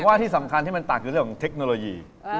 ว่าที่สำคัญที่มันต่างคือเรื่องของเทคโนโลยี